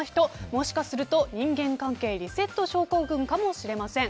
もしかすると人間関係リセット症候群かもしれません。